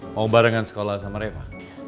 mau barengan sekolah sama reva